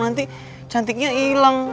nanti cantiknya ilang